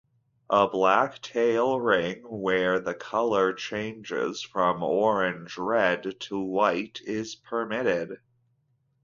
A black tail ring where the color changes from orange-red to white is permitted.